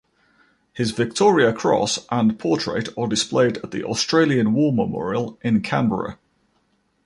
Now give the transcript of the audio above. His Victoria Cross and portrait are displayed at the Australian War Memorial in Canberra.